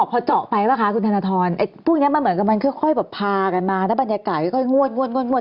พอเจาะไปพวกนี้ค่อยพากันมาบรรยากาศค่อยงวด